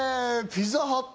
ピザハット